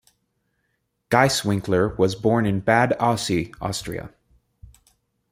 Gaiswinkler was born in Bad Aussee, Austria.